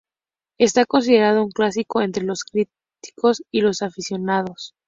Está considerado un clásico entre los críticos y los aficionados.